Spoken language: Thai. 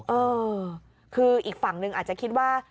เออคืออีกฝั่งหนึ่งอาจจะคิดว่า